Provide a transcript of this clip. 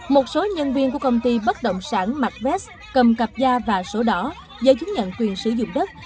một số nhân viên của công ty bất động sản mặc vest cầm cặp da và sổ đỏ do chứng nhận quyền sử dụng đất